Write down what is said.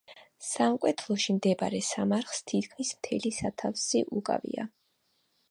სამკვეთლოში მდებარე სამარხს თითქმის მთელი სათავსი უკავია.